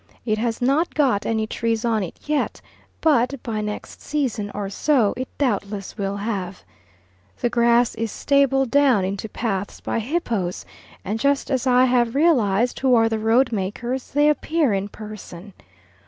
It has not got any trees on it yet, but by next season or so it doubtless will have. The grass is stabbled down into paths by hippos, and just as I have realised who are the road makers, they appear in person.